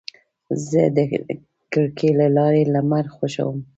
زه د کړکۍ له لارې لمر خوښوم.